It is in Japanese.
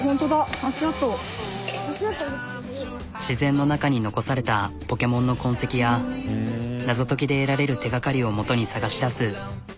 自然の中に残されたポケモンの痕跡や謎解きで得られる手がかりを基に探しだす。